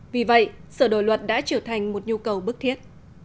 vì vậy sửa đổi luật đã trở thành một nhu cầu bức thiết